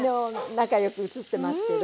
仲良く写ってますけど。